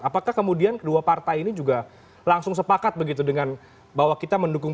apakah kemudian kedua partai ini juga langsung sepakat begitu dengan bahwa kita mendukung